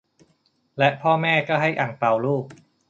และพ่อแม่ก็ให้อั่งเปาลูก